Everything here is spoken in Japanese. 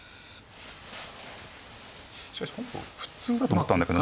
しかし本譜普通だと思ったんだけどね。